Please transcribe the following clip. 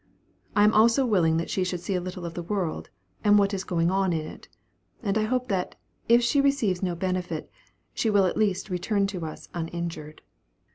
I am also willing that she should see a little of the world, and what is going on in it; and I hope that, if she receives no benefit, she will at least return to us uninjured."